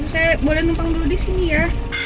saya boleh numpang dulu disini ya